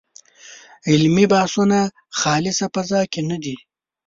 علمي بحثونه خالصه فضا کې نه دي.